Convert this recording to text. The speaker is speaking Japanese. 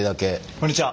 こんにちは！